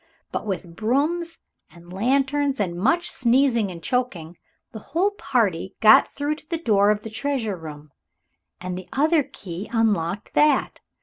But with brooms and lanterns and much sneezing and choking, the whole party got through to the door of the treasure room. And the other key unlocked that.